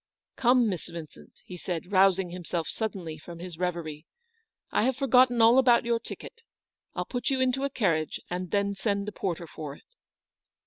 " Come, Miss Vincent," he said, rousing himself suddenly from his reverie ;" I have forgotten all about your ticket. I'll put you into a carriage, and then send a porter for it."